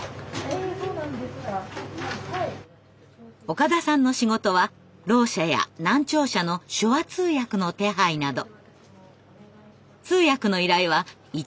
岡田さんの仕事はろう者や難聴者の手話通訳の手配など。